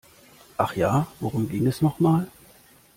Ach ja, worum ging es noch mal?